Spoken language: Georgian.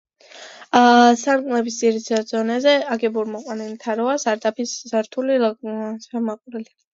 სარკმლების ძირის დონეზე, აგურით გამოყვანილი თაროა, სარდაფის სართული ლავგარდნითაა გამოყოფილი.